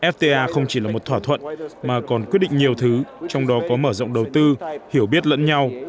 fta không chỉ là một thỏa thuận mà còn quyết định nhiều thứ trong đó có mở rộng đầu tư hiểu biết lẫn nhau